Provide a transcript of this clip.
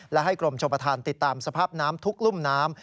และให้กรมชมประธานติดตามสภาพน้ำทุกรุ่มน้ำ